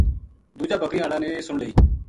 دوجا بکریاں ہالا نے سن لئی